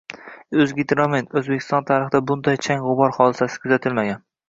O‘zgidromet: O‘zbekiston tarixida bunday chang-g‘ubor hodisasi kuzatilmagan